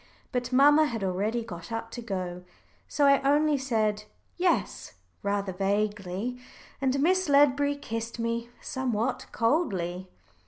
But mamma had already got up to go, so I only said "Yes" rather vaguely, and Miss Ledbury kissed me somewhat coldly.